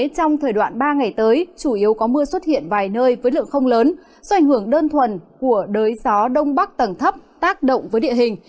trong thời đoạn ba ngày tới chủ yếu có mưa xuất hiện vài nơi với lượng không lớn do ảnh hưởng đơn thuần của đới gió đông bắc tầng thấp tác động với địa hình